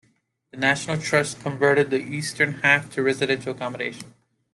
The National Trust converted the eastern half to residential accommodation.